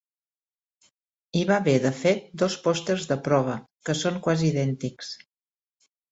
Hi va haver, de fet, dos pòsters "de prova", que són quasi idèntics.